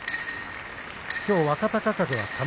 きょう若隆景は玉鷲。